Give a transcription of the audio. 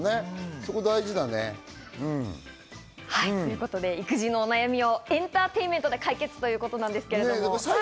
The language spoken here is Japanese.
そこ大事だね。ということで、育児のお悩みをエンターテインメントで解決ということで。